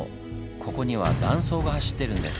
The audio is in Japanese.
ここには断層が走ってるんです。